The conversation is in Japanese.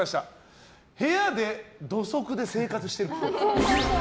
部屋で土足で生活してるっぽい。